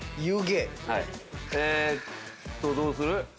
えーっとどうする？